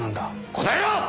答えろ！